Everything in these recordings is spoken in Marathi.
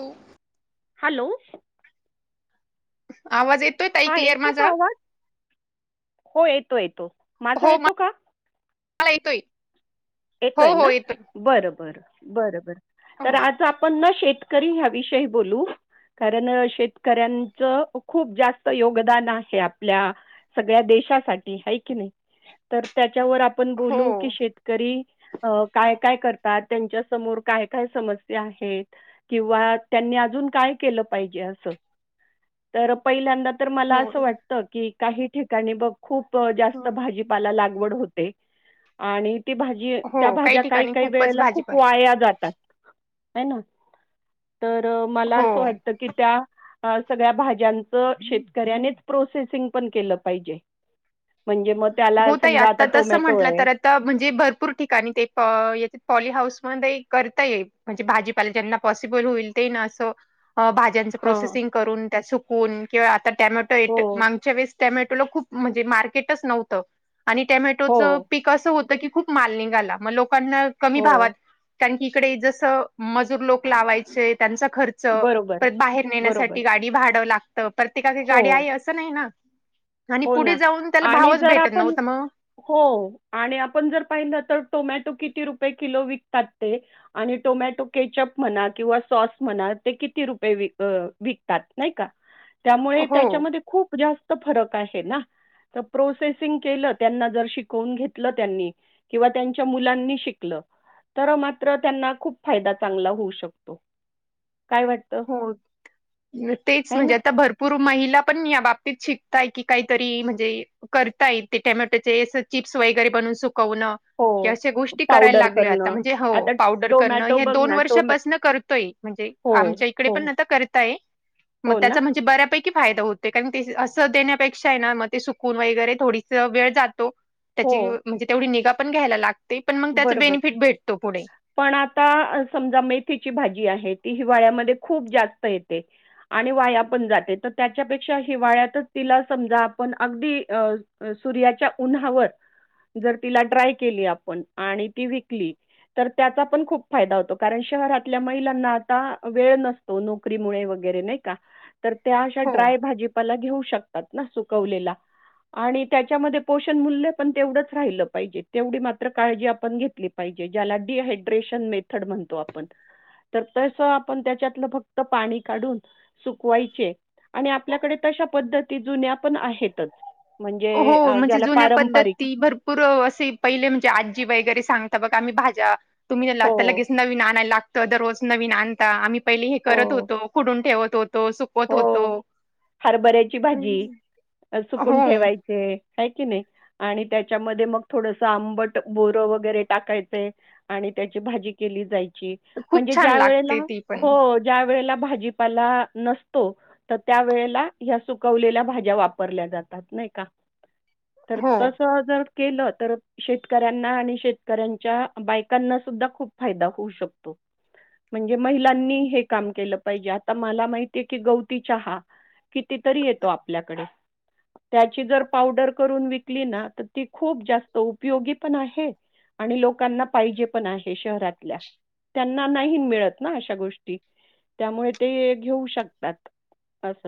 हो. हॅलो. आवाज येतोय? ता - हा. येतो का आवाज? हो. येतो-येतो. माझा येतो का? हां. येतोय. हो येतोय हो ना? बरंबरं, बरंबरं. तर आज आपण ना शेत - -करी ह्या विषयी बोलू. कारण शेतकऱ्यांचं, खूप जास्त योगदान आहे. आपल्या - सगळ्या देशासाठी. आहे की नाही? तर त्याच्यावर आपण बोलू की हो शेतकरी - अं. काय काय करतात. त्यांच्या समोर काय काय समस्या आहेत. किंवा त्यांनी अजून काय केलं पाहिजे? असं. तर पहिल्यांदा तर हो मला असं हो वाटत की काही ठिकाणी बघ खूप जास्त भाजी- -पाला लागवड होते. आणि ती भाजी - त्या हो काही भाज्या ठिकाणी काही-काही खूपच वेळेला खूप भाजीपाला वाया जातात. है न? तर मला हो असं वाटत की, त्या - सगळ्या भाज्यांचं शेतकऱ्यानेच प्रोसेसिंग पण केलं पाहिजे. म्हणजे मग त्याला समजा, आता टोमॅटो आहे. त म्हणजे भरपूर ठिकाणी ते प-पॉली हाऊस मध्येही करता येईल. म्हणजे भाजीपाला ज्यांना पॉसिबल होईल, ते ना असं -अं. भा - -ज्यांच हां. प्रोसेसिंग करून, त्या सुकवून किंवा आता हो, टॅमॅटोयेत मागच्या वेळेस - टॅमॅटोला खूप म्हणजे मार्केटच नव्हतं. आणि हो, टॅमॅटोचं पीक - कसं होतं की खूप माल निघाला. म लोकांना कमी भावात हो. - कारण तिकडे जसं मजूर लोक लावायचे. त्यांचा खर्च - बरोबर, तर बाहेर बरोबर. नेण्यासाठी गाडी भाडं लागतं. प्रत्येकाची हो, गाडी आहे, असं नाही ना? आणि हो पुढे ना. जाऊन, त्याला आणि भावंच जर भेट - आपण - हो. आणि आपण जर पाहिलं तर, टोमॅटो किती रुपये किलो विकतात ते? आणि टोमॅटो केचअप म्हणा किंवा सॉस म्हणा ते किती रुपये विक अं विकतात नाय का? त्यामुळे, हो, त्याच्यामध्ये खूप जास्त फरक आहे ना. त प्रोसेसिंग केलं, त्यांना जर शिकवून घेतलं त्यांनी किंवा त्यांच्या मुलांनी शिकलं तर मात्र त्यांना खूप फायदा चांगला होऊ शकतो. काय वाट हो, तेच म्हणजे आता भर पूर महिला पण या बाबतीत शिकताय की, कायतरी म्हणजे करतायेत ते टेमॅटोचे असं चिप्स वगैरे बनवून, सुकवणं की हो. अशा गोष्टी करायला पावडर लागलोय आता करणं. म्हणजे हो आता पावडर करणं, टोमॅटो हे बघ दोन ना टोमॅ वर्षापासन करतोय. म्हणजे हो, आमच्या इकडे हो. पण आता करतात म हो ना? त्याचा म्हणजे बऱ्यापैक की फायदा होतय. कारण ते असं देण्यापेक्षा हाय ना म ते सुकून वगैरे थोडीस वेळ जातो हो. त्याची म्हणजे तेवढी निगा पण घ्यायला लागते पण मंग त्याचं बरोबर. बेनिफिट भेटतो पुढे. पण आता समजा, मेथीची भाजी आहे. ती हिवाळ्यामध्ये खूप जास्त येते आणि वाया पण जाते. त त्याच्यापेक्षा हिवाळ्यातच तिला समजा, आपण अगदी अ अ सूर्याच्या उन्हावर जर तिला ड्राय केली आपण आणि ती विकली तर त्याचा पण खूप फायदा होतो. कारण शहरातल्या महिलांना आता वेळ नस तो नोकरी मुळे वगैरे नाय का? तर त्या अशा हो. ड्राय भाजी पाला घेऊ शकतात ना सुकवलेला. आणि त्याच्यामध्ये पोषण मूल्य पण, तेवढंच राहिलं पाहिजे. तेवढी मात्र काळजी आपण घेतली पाहिजे. ज्याला ड्रिहाड्रेशन मेथड म्हणतो आपण तर तसं आपण त्याच्यातलं फक्त पाणी काढून सुकवायचे आणि आपल्याकडे तशा पद्धती जुन्या पण आहेतच. म्हणजे हो अ, म्हणजे ज्याला जुन्या पारंपरिक पद्धती भर पूर असे पहिले म्हणजे आजी वगैरे सांगता बघा आम्ही भाज्या तुम्ही त आता हो लगेच नवीन आणायला लागतं दररोज नवीन आणता आम्ही पहिली हे करत हो, होतो कुडून ठेवत होतो. सुक हो हरभऱ्याची भाजी हम्म. अ हो सुकून ठेवाय ते हाय की नाय आणि त्याच्यामध्ये मग थोडसं आंबट बोरं वगैरे टाकायचे. आणि त्याची भाजी केली जायची खूप म्हणजे छान ज्या वेळेला लागते ती पण हो ज्या वेळेला भाजीपाला नस तो त त्या वेळेला ह्या सुकवलेल्या भाज्या वापरल्या जातात नाय का. तर हो तसं जर केलं तर शेतकऱ्यांना आणि शेतकऱ्यांच्या बायकांना सुद्धा खूप फायदा होऊ शकतो. म्हणजे महिलांनी हे काम केलं पाहिजे आता मला माहित तीये की गवती चहा कितीतरी येतो आपल्याकडे त्याची जर पावडर करून विकली ना तर ती खूप जास्त उपयोगी पण आहे आणि लोकांना पाहिजे पण आहे शहरातल्या त्यांना नाही मिळत ना अशा गोष्टी त्यामुळे ते घेऊ शक तात अस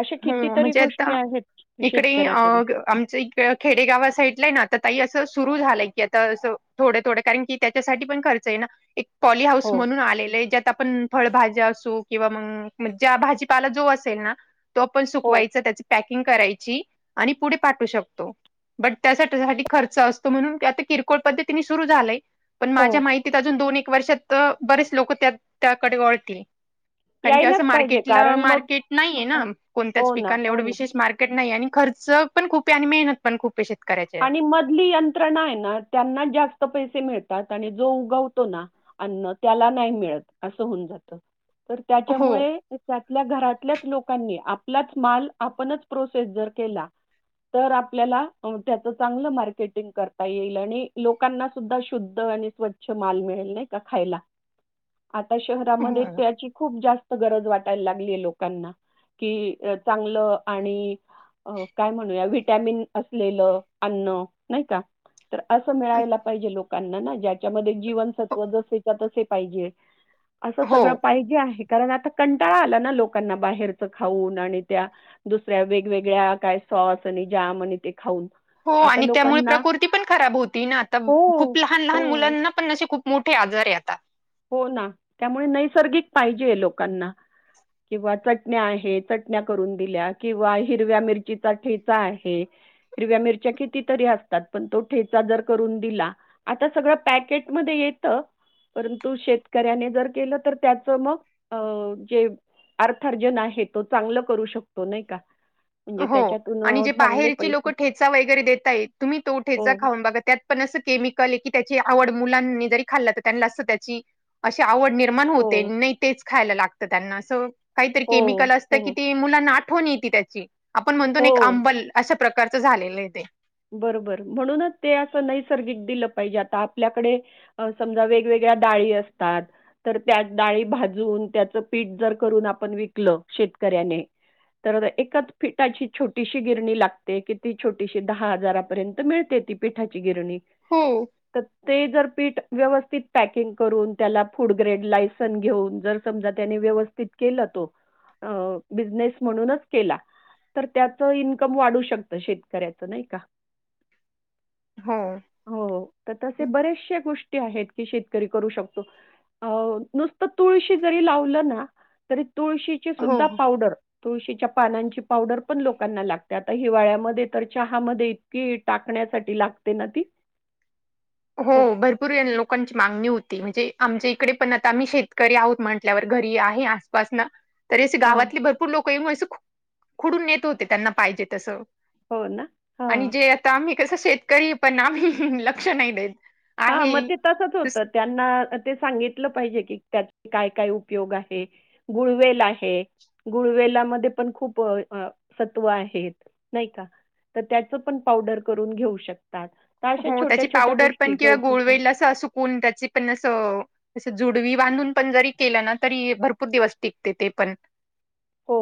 असे हो कितीतरी म्हणजे गोष्टी आहेत शेतकऱ्याकड आमचे इक ड खेडेगावा साईडला आहे ना तर ताई असं सुरू झालंय की आता असं थोडे थोडे कारण की त्याच्यासाठी पण खर्च ये ना एक पॉली हाऊस हो, म्हणून आलेलय ज्यात आपण फळभाज्या असो किंवा मंग ज्या भाजीपाला जो असेल ना तो आपण हो, सुकवायचा त्याच पॅकिंग करायची आणि पुढे पाठवू शकतो. बट त्यासाठी आधी खर्च असतो म्हणून आता किरकोळ पद्धतीने सुरू झालय. पण माझ्या हो. माहितीत अजून दोन एक वर्षात बरेच लोक त्या त्याकडे वळतील. कारण की असं यायलाच पाहिजे मार्केटला कारण मग मार्केट नाही आहे ना. कोणतच हो ना, पिकांला हो एवढं ना. हो विशेष मार्केट नाही आणि खर्च पण खूप आणि मेहनत पण खूप शेतकऱ्यांना. आणि मधली यंत्रणा आहे ना त्यांना जास्त पैसे मिळतात आणि जो उगवतो ना अन्न त्याला नाही मिळत असं होऊन जात तर हो त्याच्यामुळे त्यातल्या घरातल्याच लोकांनी आपलाच माल आपणच प्रोसेस जर केला. तर आपल्याला त्याच चांगल मार्केटिंग करता येईल आणि लोकांना सुद्धा शुद्ध आणि स्वच्छ माल मिळेल नाही का खायला आता शहरामध्ये हो त्याची खूप जास्त गरज वाटायला लागली लोकांना कि चांगलं आणि अ काय म्हणूया व्हिटॅमिन असलेलं अन्न नाही का. तर असं मिळायला पाहिजे लोकांना ना ज्याच्यामध्ये जीवनसत्व जसेच्या तसे पाहिजे. अस हो सगळ पाहिजे आहे कारण आता कंटाळा आला ना लोकांना बाहेरच खाऊन आणि त्या दुसऱ्या वेगवेगळ्या काय सॉस आणि जाम आणि ते खाऊन. हो आता आणि त्यामुळ लोकांना प्रकृती पण खराब होती ना आता हो, खूप लहान लहान हो, मुलांना पण असे खूप मोठे आजार आहे आता. हो ना त्यामुळे नैसर्गिक पाहिजे लोकांना. किंवा चटण्या आहे, चटण्या करून दिल्या किंवा हिरव्या मिरचीचा ठेचा आहे. हिरव्या मिरच्या कीती तरी असतात पण तो ठेचा जर करून दिला. आता सगळ पॅकेटमध्ये येत पर तू शेतकऱ्याने जर केलं तर त्याच मग अ जे अर्थार्जन आहे तो चांगल करू शकतो नाही का. म्हणजे हो त्याच्यातून आणि अ, जे चांगले बाहेरची लोक पैसे ठेचा वगैरे देेतायतात तुम्ही तो हो ठेचा खाऊन बघा त्यात पण अस केमिकल आहे की त्याची आवड मुलांनी जरी खाल्ला तर त्यांना अस त्याची अशी आवड निर्माण हो होते नाही तेच खायला लागत त्यांना अस काहीतरी हो केमिकल असत की हो ते मुलाना आठवण येते त्याची आपण म्हणतो ना एक हो अंबल अशा प्रकारच झालेलं आहे ते. बरोबर म्हणूनच ते अस नैसर्गिक दिल पाहिजे आता आपल्याकडे अ समजा वेगवेगळ्या डाळी असतात. तर त्याच डाळी भाजून त्याच पीठ जर करून आपण विकल शेतकऱ्याने. तर एकच पीटाची छोटीशी गिरणी लागते किती छोटीशी दहा हजारापर्यंत मिळते ती पिठाची गिरणी. हम्म [unintelligible] ते जर पीठ व्यवस्थित पॅकिंग करून त्याला फूड ग्रेड लायसन घेऊन जर समजा त्यानी व्यवस्थित त केला तो बिजनेस म्हणूनच केला. तर त्याच इन्कम वाढू शकत शेतकऱ्याच नाही का? हो हो तर तसे बरेचशे गोष्टी आहेत की शेतकरी करू शकतो. अ नुसत तुळशी जरी लावल ना तरी तुळशी हो, सुद्धा हो. पावडर तुळशीच्या पानांची पावडर पण लोकांना लागते आता हिवाळ्यामध्ये तर चहा मध्ये इतकी टाकण्यासाठी लागते ना ती. हो तर भरपूर लोकांची मागणी होती म्हणजे आमच्या इकडे पण आता आम्ही शेतकरी आहोत म्हण म्हंटल्यावर घरी आहे आसपास ना. तरी असे हां. गावातली भरपूर लोक ये मग खुडून नेत होते त्यांना पाहिजे तस. हो ना? हां. आणि जे आता आम्ही कस शेतकरी पण आम्ही लक्ष नाय देत. हा म आहे. ते तसच तस- होतत. त्यांना ते सांगितलं पाहिजे की त्याच काय काय उपयोग आहे. गुळवेल आहे. गुळवेलामध्ये पण खूप सत्व आहेत नाय का. तर त्याच पण पावडर करून घेऊ शकतात तर अशा हो त्याची छोट्या-छोट्या पावडर गोष पण किंवा गुळवेल असं सुकून त्याची पण असं असं जुडवी बांधून पण जरी केलं ना तरी भरपूर दिवस टिकते ते पण. हो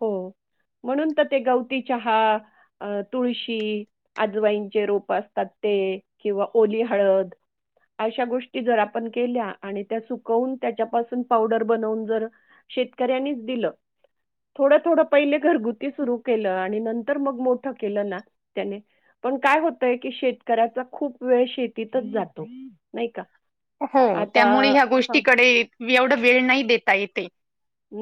हो म्हणून तर ते गवती चहा, तुळशी आजवाईंचे रोप असतात ते किंवा ओली हळद अशा गोष्टी जर आपण केल्या आणि त्या सुकवून त्याच्यापासून पावडर बनवून जर शेतकऱ्यांनीच दिलं थोडं थोडं पहिले घरगुती सुरु केलं आणि नंतर मग मोठं केलं ना त्याने पण काय होतय की शेतकऱ्याचा खूप वेळ शेतीतच जातो नाय का. हो आता त्यामुळे ह्या हां, गोष्टीकडे एवढं वेळ नाय देता येत ए.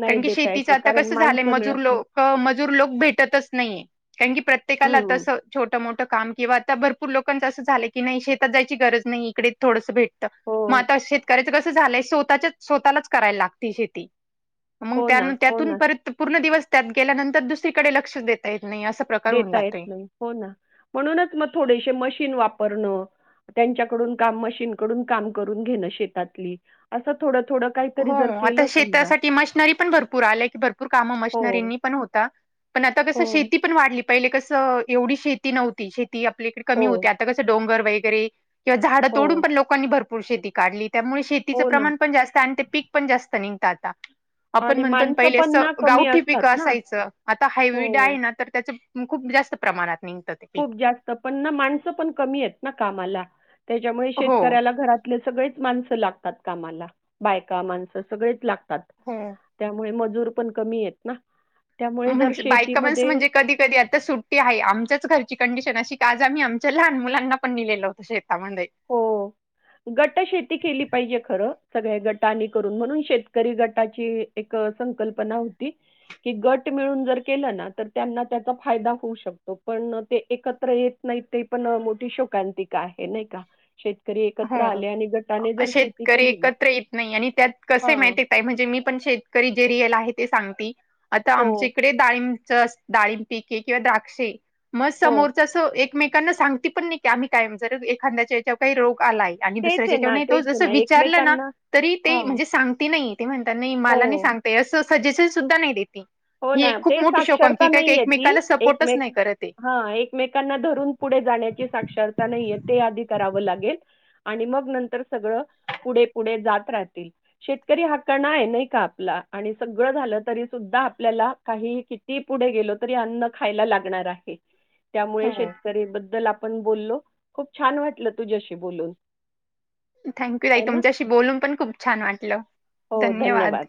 नाही कारण की देता शेतीचं येत आता कारण कसं झालंय माणसं मजूर मिळत नाही. लोक मजूर लोक भेटतच नाहीये कारण की प्रत्येकाला हं, तसं छोटं मोठं काम किंवा आत्ता भरपूर लोकांचं आस झालं की नाय शेतात जायची गरज नाय इकडेच थोडसं भेट हो, म आता शेतकऱ्याच कसं झालंय स्वतःच्या स्वतःलाच करायला लागती शेती. मग हो ना, त्या- हो त्यातून ना. परत पूर्ण दिवस त्यात गेल्यानंतर दुसरीकडे लक्षच देता येत नाय असं देता येत नाय हो ना म्हणूनच म थोडेसे मशीन वापरणं. त्यांच्याकडून काम मशीनकडून काम करून घेणं शेतातली असं थोडं थोडं हो आता शेतासाठी मशनरी पण भरपूर आल्या की भरपूर कामं हो, मशनरींनी पण होता. पण आता कसं हो, शेती पण वाढली पहिले कसं एवढी शेती नव्हती शे ती आपल्याकडे कमी हो, होते आता कसं डोंगर वगैरे किंवा झाड हो, तोडून पण लोकांनी भर भरपूर शेती काढली त्यामुळे शेतीचं हो ना. प्रमाण पण जास्त आणि ते पीक पण जास्त निघत आता. आपण आणि म्हणतो न माणसं पहिले पण असं ना कमी गावठी पिकं असतात ना. असायचं आता हायवीड हो. आहे ना तर त्याचं खूप जास्त प्रमाणात निघतात. खूप जास्त पण ना माणसं पण कमी एत ना कामाला त्याच्यामुळे हो शेतकऱ्याला घरात सगळेच माणस लागतात कामाला बायका माणसं सगळेच लाग तात हो. त्यामुळे मजूर पण कमी येत ना. त्यामुळे जर म्हणजे बायका माणसं शेतीमध्ये म्हणजे कधी कधी सुट्टी हाय आमच्याच घरची कंडिशन अशी का आज आम्ही आमच्या लहान मुलांना पण नलेलं होतं शेतामध्ये. हो. गट शेती केली पाहिजे खरं सगळ्या गटांनी करून म्हणून शेतकरी गटाची एक संकल्पना हुती. की गट मिळून जर केलं ना तर त्यांना त्याचा फायदा होऊ शकतो पण ते एकत्र येत नाय ते पण मोठी शोकांतिक आहे नाई का. शेतकरी एकत्र हम् आले आणि गटाने अ जर शेती -शेतकरी केली ना एकत्र येत नाई आणि त्यात कसे हां माहिती म्हणजे मी पण शेतकरी जे रियल आहे ते सांगती आता हो आमच्या इकडे टाइम्स डाळिंब पिक ए किंवा द्राक्षे म हो समोर जसं एकमेकांना सांगती पण नाय की आम्ही कायम जर एखाद्याच्या ह्याचवर काही रोग आलाय आणि तेच आहे दुसऱ्याच्या ना हेज्याव तो तेच आहे जस ना विचारला ना एकमेकांना तरी ते हां म्हणजे सांगती नाही. ते म्हणता नाई मला नाई हो सांगता असं सजेशन सुद्धा नाय देती. हो ही ना एक खूप ते मोठी साक्षरता शोकांकीकाये एकमेकाला सपोर्टच नाही करतये. हा एकमेकांना धरून पुढे जाण्याची साक्षरता नाहीये ते आधी करावं लागेल आणि मग नंतर सगळं पुढे पुढे जात राहतील. शेतकरी हा कणा आहे नाही का आपला आणि सगळं झालं तरी सुद्धा आपल्याला काहीही किती पुढे गेलो तरी अन्न खायला लागणार आहे त्यामुळे शेत हो. करी बद्दल आपण बोलो खूप छान वाटलं तुझ्याशी बोलून. थँक्यू ताई है ना? तुमच्याशी बोलून पण खूप छान वाटलं धन्यवाद.